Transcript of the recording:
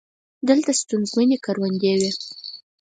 دلته ستونزمنې کروندې وې.